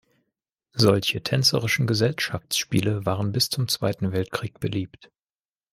Solche tänzerischen Gesellschaftsspiele waren bis zum Zweiten Weltkrieg beliebt.